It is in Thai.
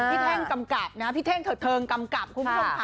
แท่งกำกับนะพี่เท่งเถิดเทิงกำกับคุณผู้ชมค่ะ